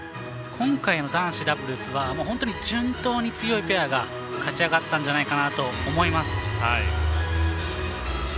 今回の男子ダブルスは本当に順当に強いペアが勝ち上がったんじゃないかなと思います。